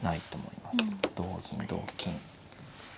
同銀同金。